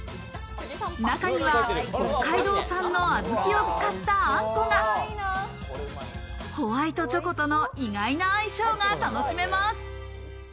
中には北海道産の小豆を使ったあんこがホワイトチョコとの意外な相性が楽しめます。